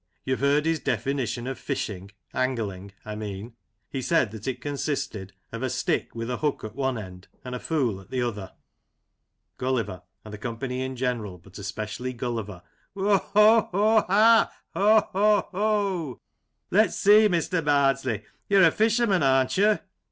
YouVe heard his definition of fishing — angling, I mean — he said that it consisted of " a stick with a hook at one end and a fool at the other." Gulliver {and the company in general, but especially Gulliver) : Ho ! ho ! ha ! Ho ! ho ! ho ! Lef s see, Mr. Bardsley, you're a fisherman, arn't you